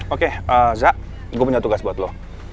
oke zak gue punya tugas buat lo